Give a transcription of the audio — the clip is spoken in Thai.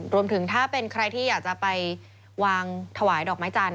รวมถึงถ้าเป็นใครที่อยากจะไปวางถวายดอกไม้จันท